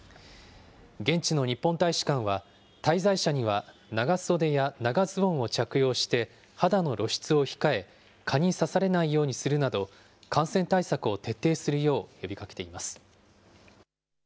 現地の日本大使館は、滞在者には長袖や長ズボンを着用して、肌の露出を控え、蚊に刺されないようにするなど、感染対策を徹底するよう呼びかけています。